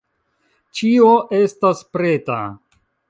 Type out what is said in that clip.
Ĉio estas preta.